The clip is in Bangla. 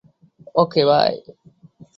Okay, by.